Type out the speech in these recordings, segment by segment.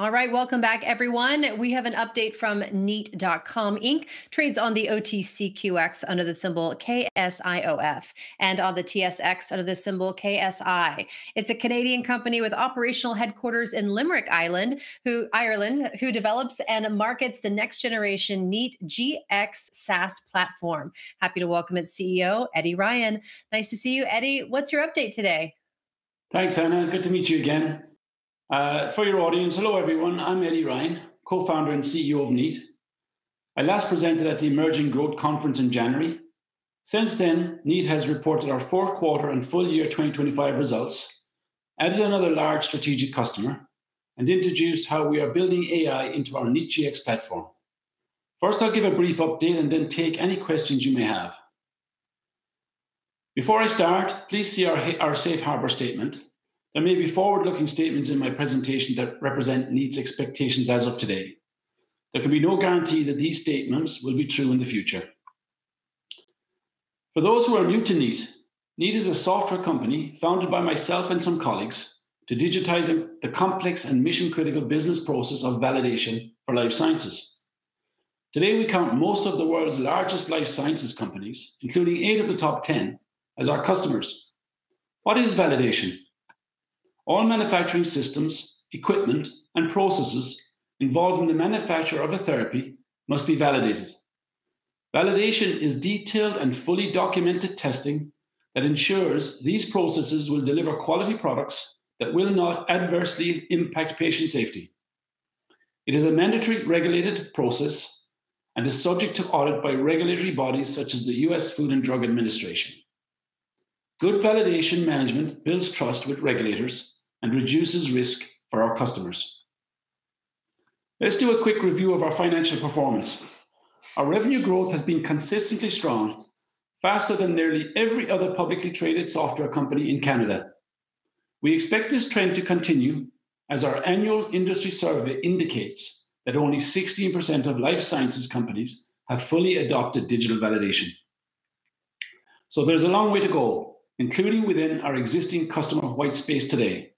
All right. Welcome back everyone. We have an update from kneat.com, inc, trades on the OTCQX under the symbol KSIOF, and on the TSX under the symbol KSI. It's a Canadian company with operational headquarters in Limerick, Ireland, who develops and markets the next generation Kneat Gx SaaS platform. Happy to welcome its CEO, Eddie Ryan. Nice to see you, Eddie. What's your update today? Thanks, Ana. Good to meet you again. For your audience, hello everyone. I'm Eddie Ryan, Co-Founder and CEO of Kneat. I last presented at the Emerging Growth Conference in January. Since then, Kneat has reported our fourth quarter and full year 2025 results, added another large strategic customer, and introduced how we are building AI into our Kneat Gx platform. First, I'll give a brief update and then take any questions you may have. Before I start, please see our safe harbor statement. There may be forward-looking statements in my presentation that represent Kneat's expectations as of today. There can be no guarantee that these statements will be true in the future. For those who are new to Kneat, Kneat is a software company founded by myself and some colleagues to digitize the complex and mission-critical business process of validation for life sciences. Today, we count most of the world's largest life sciences companies, including eight of the top 10, as our customers. What is validation? All manufacturing systems, equipment, and processes involved in the manufacture of a therapy must be validated. Validation is detailed and fully documented testing that ensures these processes will deliver quality products that will not adversely impact patient safety. It is a mandatory regulated process and is subject to audit by regulatory bodies such as the U.S. Food and Drug Administration. Good validation management builds trust with regulators and reduces risk for our customers. Let's do a quick review of our financial performance. Our revenue growth has been consistently strong, faster than nearly every other publicly traded software company in Canada. We expect this trend to continue as our annual industry survey indicates that only 16% of life sciences companies have fully adopted digital validation. There's a long way to go, including within our existing customer white space today.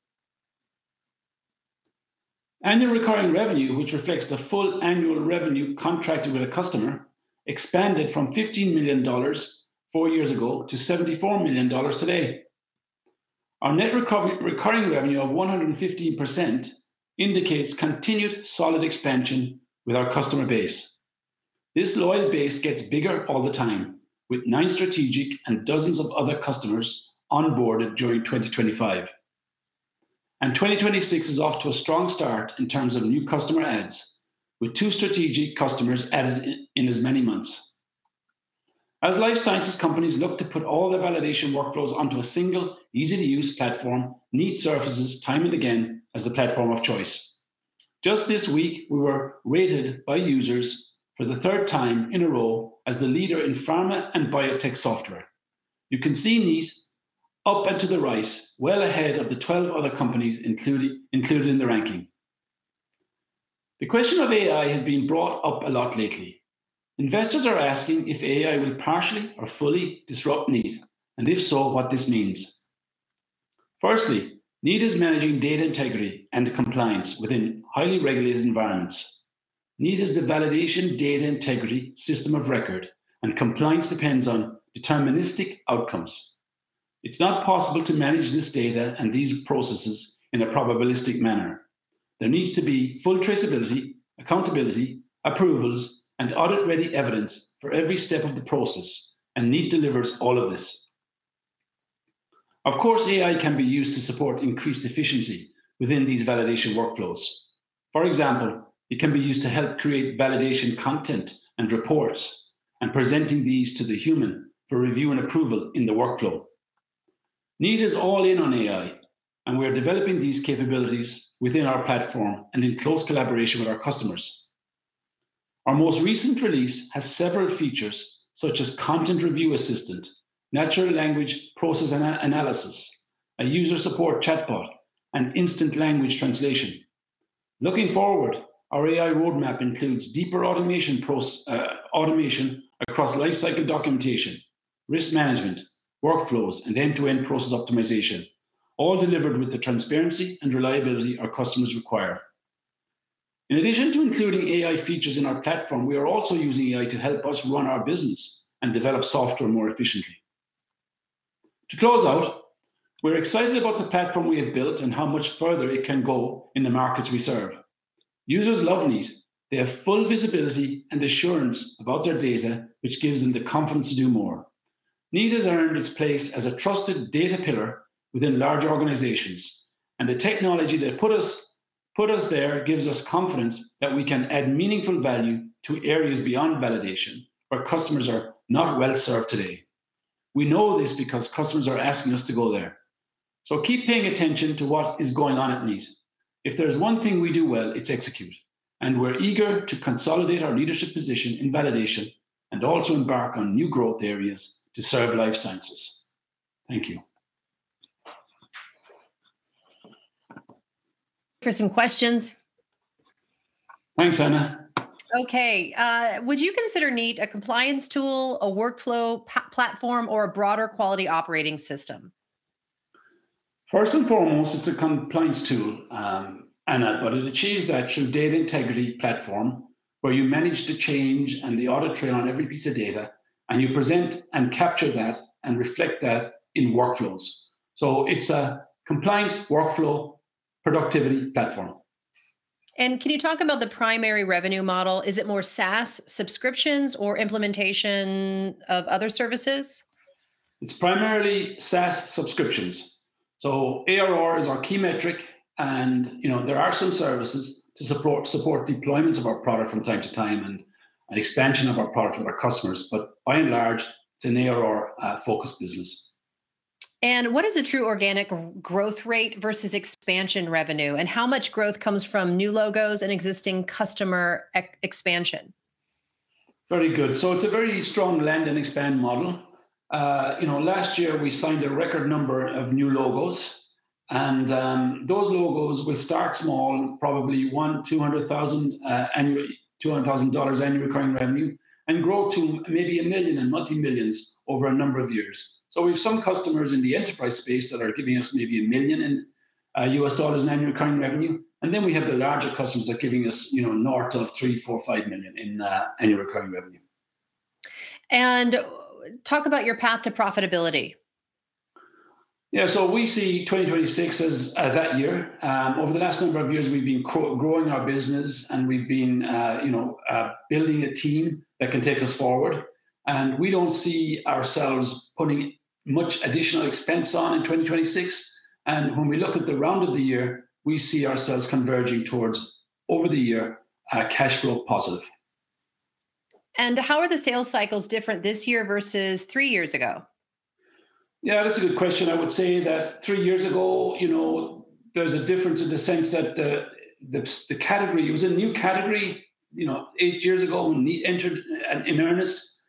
Annual recurring revenue, which reflects the full annual revenue contracted with a customer, expanded from 15 million dollars four years ago to 74 million dollars today. Our net recurring revenue of 115% indicates continued solid expansion with our customer base. This loyal base gets bigger all the time, with 9 strategic and dozens of other customers onboarded during 2025. 2026 is off to a strong start in terms of new customer adds, with two strategic customers added in as many months. As life sciences companies look to put all their validation workflows onto a single easy-to-use platform, Kneat surfaces time and again as the platform of choice. Just this week, we were rated by users for the third time in a row as the leader in pharma and biotech software. You can see Kneat up and to the right, well ahead of the 12 other companies included in the ranking. The question of AI has been brought up a lot lately. Investors are asking if AI will partially or fully disrupt Kneat, and if so, what this means? Firstly, Kneat is managing data integrity and compliance within highly regulated environments. Kneat is the validation data integrity system of record, and compliance depends on deterministic outcomes. It's not possible to manage this data and these processes in a probabilistic manner. There needs to be full traceability, accountability, approvals, and audit-ready evidence for every step of the process, and Kneat delivers all of this. Of course, AI can be used to support increased efficiency within these validation workflows. For example, it can be used to help create validation content and reports and presenting these to the human for review and approval in the workflow. Kneat is all in on AI, and we are developing these capabilities within our platform and in close collaboration with our customers. Our most recent release has several features such as content review assistant, natural language processing, a user support chatbot, and instant language translation. Looking forward, our AI roadmap includes deeper automation across lifecycle documentation, risk management, workflows, and end-to-end process optimization, all delivered with the transparency and reliability our customers require. In addition to including AI features in our platform, we are also using AI to help us run our business and develop software more efficiently. To close out, we're excited about the platform we have built and how much further it can go in the markets we serve. Users love Kneat. They have full visibility and assurance about their data, which gives them the confidence to do more. Kneat has earned its place as a trusted data pillar within large organizations, and the technology that put us there gives us confidence that we can add meaningful value to areas beyond validation where customers are not well-served today. We know this because customers are asking us to go there. Keep paying attention to what is going on at Kneat. If there's one thing we do well, it's execute, and we're eager to consolidate our leadership position in validation and also embark on new growth areas to serve life sciences. Thank you. For some questions. Thanks, Ana. Okay. Would you consider Kneat a compliance tool, a workflow platform, or a broader quality operating system? First and foremost, it's a compliance tool, Ana, but it achieves that through data integrity platform where you manage the change and the audit trail on every piece of data, and you present and capture that and reflect that in workflows. It's a compliance workflow productivity platform. Can you talk about the primary revenue model? Is it more SaaS subscriptions or implementation of other services? It's primarily SaaS subscriptions. ARR is our key metric, and, you know, there are some services to support deployments of our product from time to time and an expansion of our product with our customers. By and large, it's an ARR focused business. What is the true organic growth rate versus expansion revenue, and how much growth comes from new logos and existing customer expansion? Very good. It's a very strong land and expand model. You know, last year we signed a record number of new logos, and those logos will start small, probably 100,000-200,000 annually, 200,000 dollars annual recurring revenue, and grow to maybe 1 million and multi-millions over a number of years. We have some customers in the enterprise space that are giving us maybe $1 million in U.S. dollars in annual recurring revenue, and then we have the larger customers that are giving us, you know, north of 3 million, 4 million, 5 million in annual recurring revenue. Talk about your path to profitability. Yeah. We see 2026 as that year. Over the last number of years, we've been growing our business, and we've been, you know, building a team that can take us forward. We don't see ourselves putting much additional expense on in 2026. When we look at the end of the year, we see ourselves converging towards, over the year, cash flow positive. How are the sales cycles different this year versus three years ago? Yeah, that's a good question. I would say that three years ago, you know, there's a difference in the sense that the category, it was a new category, you know, eight years ago when Kneat entered in earnest.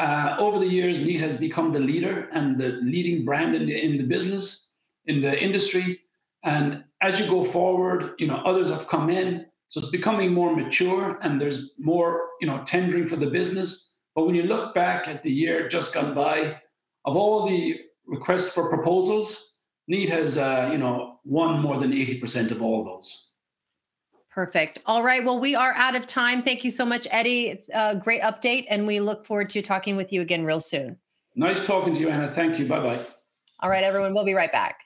Over the years, Kneat has become the leader and the leading brand in the, in the business, in the industry. As you go forward, you know, others have come in, so it's becoming more mature, and there's more, you know, tendering for the business. When you look back at the year just gone by, of all the requests for proposals, Kneat has won more than 80% of all of those. Perfect. All right. Well, we are out of time. Thank you so much, Eddie. It's a great update, and we look forward to talking with you again real soon. Nice talking to you, Ana. Thank you. Bye-bye. All right, everyone, we'll be right back.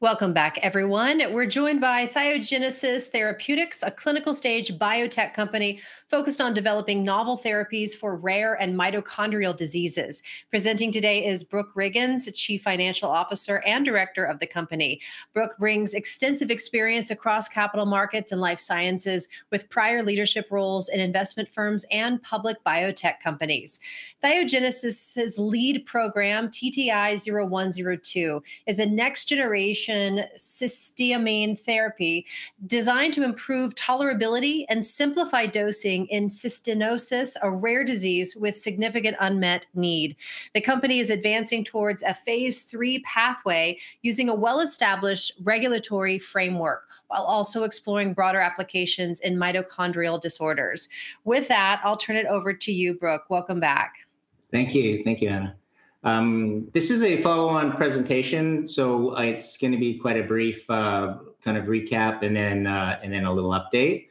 Welcome back, everyone. We're joined by Thiogenesis Therapeutics, a clinical stage biotech company focused on developing novel therapies for rare and mitochondrial diseases. Presenting today is Brook Riggins, Chief Financial Officer and Director of the company. Brook brings extensive experience across capital markets and life sciences with prior leadership roles in investment firms and public biotech companies. Thiogenesis' lead program, TTI-0102, is a next generation cysteamine therapy designed to improve tolerability and simplify dosing in cystinosis, a rare disease with significant unmet need. The company is advancing towards a phase III pathway using a well-established regulatory framework while also exploring broader applications in mitochondrial disorders. With that, I'll turn it over to you, Brook. Welcome back. Thank you. Thank you, Ana. This is a follow-on presentation, so it's gonna be quite a brief kind of recap and then a little update.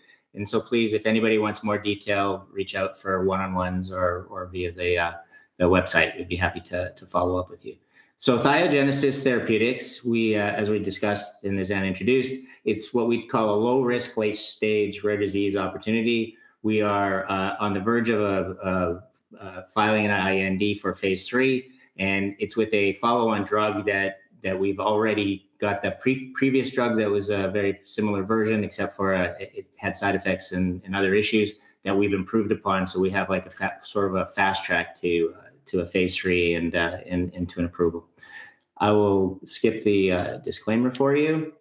Please, if anybody wants more detail, reach out for one-on-ones or via the website. We'd be happy to follow-up with you. Thiogenesis Therapeutics, as we discussed and as Ana introduced, it's what we'd call a low-risk, late-stage rare disease opportunity. We are on the verge of filing an IND for phase III, and it's with a follow-on drug that we've already got the previous drug that was a very similar version except for it had side effects and other issues that we've improved upon. We have like a sort of a fast track to a phase III and to an approval. I will skip the disclaimer for you.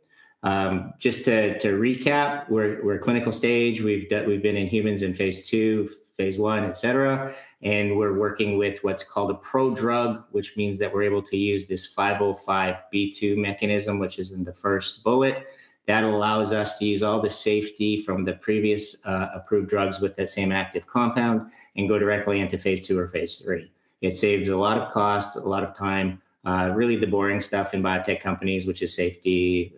Just to recap, we're clinical stage. We've been in humans in phase II, phase I, et cetera, and we're working with what's called a prodrug, which means that we're able to use this 505(b)(2) mechanism, which is in the first bullet. That allows us to use all the safety from the previous approved drugs with the same active compound and go directly into phase II or phase III. It saves a lot of cost, a lot of time, really the boring stuff in biotech companies, which is safety,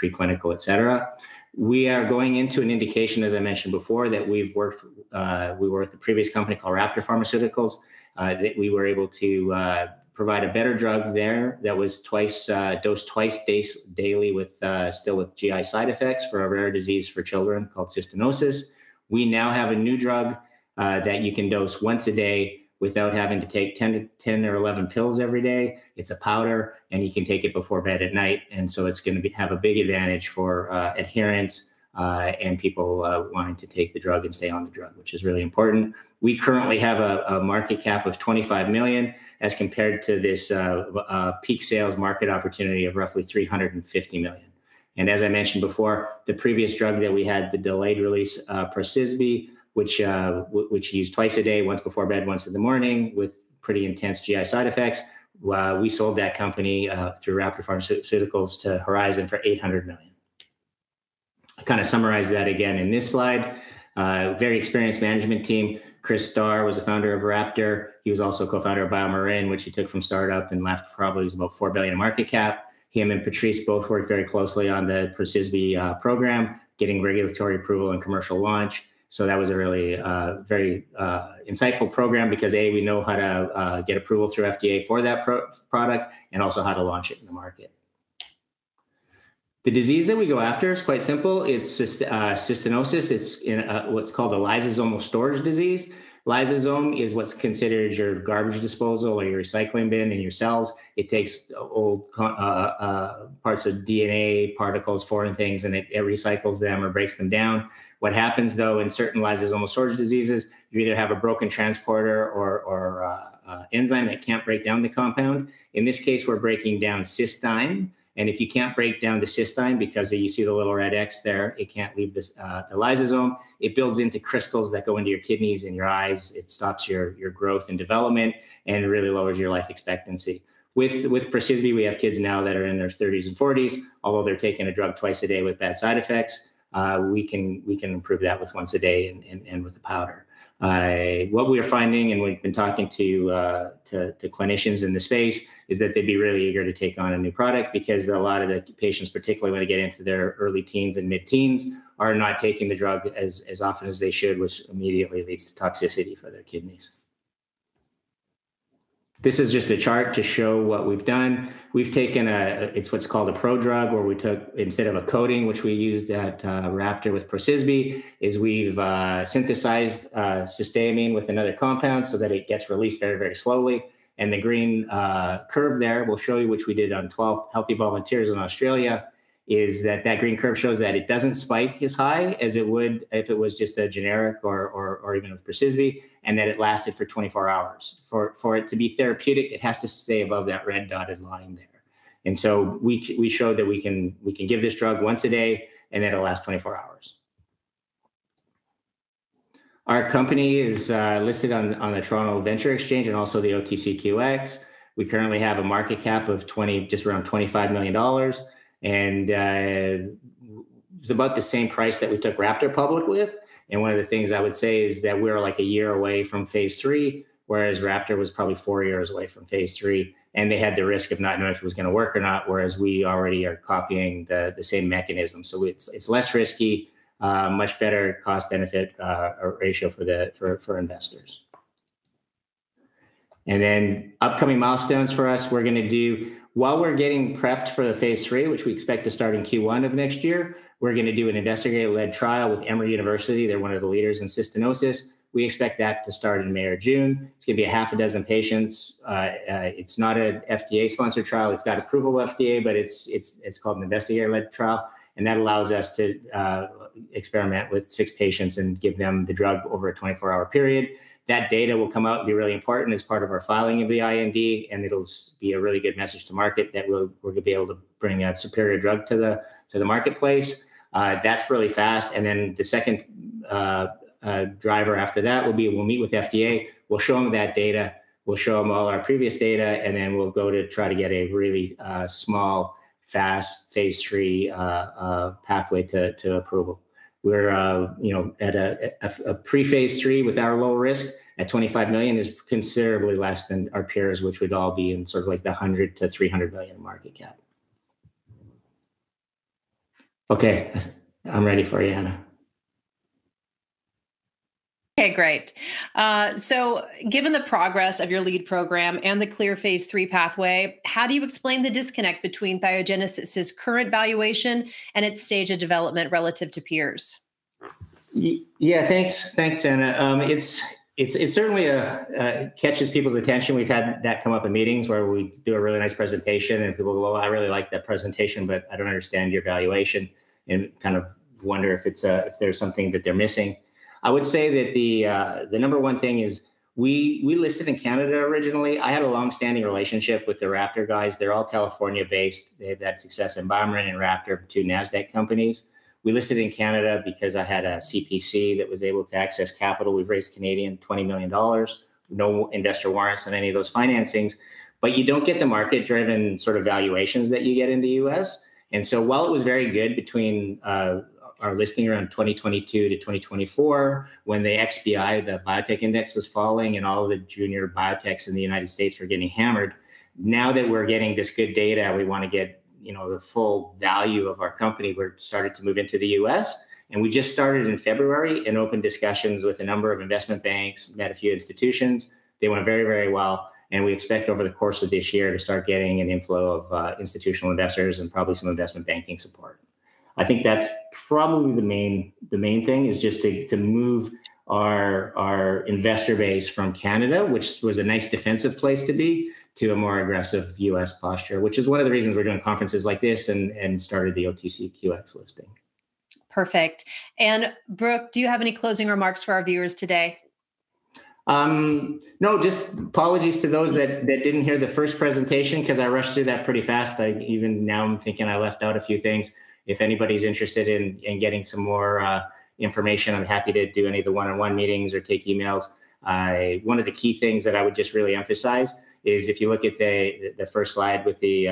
preclinical, et cetera. We are going into an indication, as I mentioned before, that we've worked, we were at the previous company called Raptor Pharmaceuticals, that we were able to provide a better drug there that was dosed twice daily, still with GI side effects for a rare disease for children called cystinosis. We now have a new drug that you can dose once a day without having to take 10 or 11 pills every day. It's a powder, and you can take it before bed at night. It's gonna have a big advantage for adherence and people wanting to take the drug and stay on the drug, which is really important. We currently have a market cap of $25 million as compared to this peak sales market opportunity of roughly $350 million. As I mentioned before, the previous drug that we had, the delayed release PROCYSBI, which you use twice a day, once before bed, once in the morning, with pretty intense GI side effects, we sold that company through Raptor Pharmaceuticals to Horizon for $800 million. I kinda summarized that again in this slide. Very experienced management team. Chris Starr was the founder of Raptor. He was also co-founder of BioMarin, which he took from startup and left probably was about $4 billion market cap. He and Patrice both worked very closely on the PROCYSBI program, getting regulatory approval and commercial launch, so that was a really very insightful program because A, we know how to get approval through FDA for that product, and also how to launch it in the market. The disease that we go after is quite simple. It's cystinosis. It's in a what's called a lysosomal storage disease. Lysosome is what's considered your garbage disposal or your recycling bin in your cells. It takes old parts of DNA, particles, foreign things, and it recycles them or breaks them down. What happens though, in certain lysosomal storage diseases, you either have a broken transporter or a enzyme that can't break down the compound. In this case, we're breaking down cystine, and if you can't break down the cystine because you see the little red X there, it can't leave the lysosome. It builds into crystals that go into your kidneys and your eyes. It stops your growth and development, and it really lowers your life expectancy. With PROCYSBI, we have kids now that are in their 30s and 40s, although they're taking a drug twice a day with bad side effects, we can improve that with once a day and with the powder. What we are finding, and we've been talking to clinicians in the space, is that they'd be really eager to take on a new product because a lot of the patients, particularly when they get into their early teens and mid-teens, are not taking the drug as often as they should, which immediately leads to toxicity for their kidneys. This is just a chart to show what we've done. We've taken what's called a prodrug where we took, instead of a coating which we used at Raptor with PROCYSBI, we've synthesized cysteamine with another compound so that it gets released very, very slowly, and the green curve there will show you, which we did on 12 healthy volunteers in Australia, that the green curve shows that it doesn't spike as high as it would if it was just a generic or even with PROCYSBI, and that it lasted for 24 hours. For it to be therapeutic, it has to stay above that red dotted line there. We showed that we can give this drug once a day, and it'll last 24 hours. Our company is listed on the Toronto Venture Exchange and also the OTCQX. We currently have a market cap of $20 million, just around $25 million, and it's about the same price that we took Raptor public with. One of the things I would say is that we're, like, a year away from phase III, whereas Raptor was probably four years away from phase III, and they had the risk of not knowing if it was gonna work or not, whereas we already are copying the same mechanism. It's less risky, much better cost-benefit ratio for investors. Upcoming milestones for us include an investigator-led trial with Emory University while we're getting prepped for the phase III, which we expect to start in Q1 of next year. We're gonna do an investigator-led trial with Emory University. They're one of the leaders in cystinosis. We expect that to start in May or June. It's gonna be six patients. It's not an FDA-sponsored trial. It's got FDA approval, but it's called an investigator-led trial, and that allows us to experiment with six patients and give them the drug over a 24-hour period. That data will come out and be really important as part of our filing of the IND, and it'll be a really good message to market that we're gonna be able to bring a superior drug to the marketplace. That's really fast, and then the second driver after that will be we'll meet with the FDA. We'll show them that data. We'll show them all our previous data, and then we'll go to try to get a really small, fast phase III pathway to approval. We're you know at a pre-phase III with our low risk. At 25 million is considerably less than our peers, which would all be in sort of like the $100 million-$300 million market cap. Okay. I'm ready for you, Ana. Okay, great. Given the progress of your lead program and the clear phase III pathway, how do you explain the disconnect between Thiogenesis' current valuation and its stage of development relative to peers? Yeah, thanks. Thanks, Ana. It certainly catches people's attention. We've had that come up in meetings where we do a really nice presentation and people go, "Oh, I really like that presentation, but I don't understand your valuation," and kind of wonder if it's if there's something that they're missing. I would say that the number one thing is we listed in Canada originally. I had a long-standing relationship with the Raptor guys. They're all California-based. They've had success in BioMarin and Raptor, two NASDAQ companies. We listed in Canada because I had a CPC that was able to access capital. We've raised 20 million Canadian dollars, no investor warrants in any of those financings. You don't get the market-driven sort of valuations that you get in the U.S., and so while it was very good between our listing around 2022-2024, when the XBI, the biotech index, was falling and all of the junior biotechs in the United States were getting hammered. Now that we're getting this good data, we wanna get the full value of our company. We're starting to move into the U.S., and we just started in February in open discussions with a number of investment banks, met a few institutions. They went very, very well, and we expect over the course of this year to start getting an inflow of institutional investors and probably some investment banking support. I think that's probably the main thing is just to move our investor base from Canada, which was a nice defensive place to be, to a more aggressive U.S. posture, which is one of the reasons we're doing conferences like this and started the OTCQX listing. Perfect. Brook, do you have any closing remarks for our viewers today? No, just apologies to those that didn't hear the first presentation 'cause I rushed through that pretty fast. Even now I'm thinking I left out a few things. If anybody's interested in getting some more information, I'm happy to do any of the one-on-one meetings or take emails. One of the key things that I would just really emphasize is if you look at the first slide with the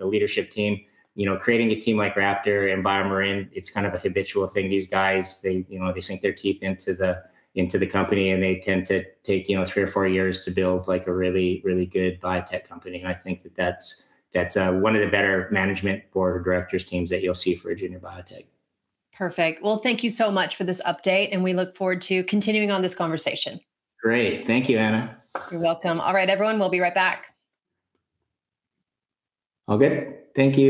leadership team. You know, creating a team like Raptor and BioMarin, it's kind of a habitual thing. These guys, they, you know, they sink their teeth into the company, and they tend to take, you know, three or four years to build, like, a really good biotech company. I think that's one of the better management board of directors teams that you'll see for a junior biotech. Perfect. Well, thank you so much for this update, and we look forward to continuing on this conversation. Great. Thank you, Ana. You're welcome. All right, everyone, we'll be right back. Okay, thank you.